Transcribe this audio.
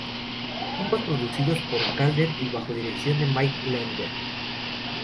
Ambos producidos por Calder y bajo dirección de Mike Leander.